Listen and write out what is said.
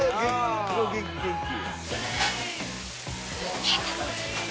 元気元気。